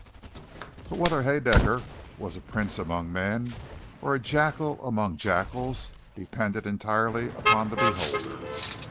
But whether Haedaecker was a prince among men or a jackal among jackals depended entirely upon the beholder.